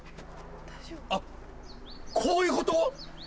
あっこういうこと？